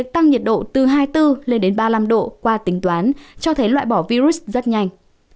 từ hai mươi bốn lên đến ba mươi năm độ qua tính toán cho thấy loại bỏ virus rất nhanh